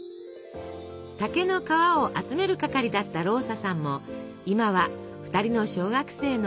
竹の皮を集める係だったローサさんも今は２人の小学生のお母さん。